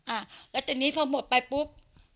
อ่าแล้วทีนี้พอหมดไปปุ๊บ